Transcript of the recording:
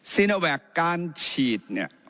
ซินโอแวคการฉีด